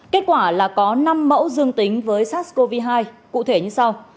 kết quả là có năm mẫu dương tính với sars cov hai cụ thể như sau